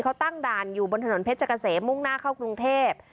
เขาตั้งด่านอยู่บนถนนเพชรเกษมมุ่งหน้าเข้ากรุงเทพ